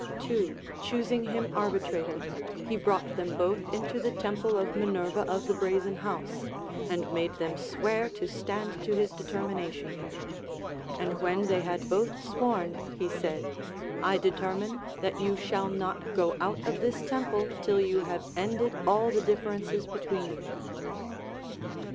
Two choosing him arbitrator, he brought them both into the temple of Minerva of the Brazen House, and made them swear to stand to his determination ; and Avhen they had both sworn, he said, I determine that you shall not go out of this temple, till you have ended all the differences between you.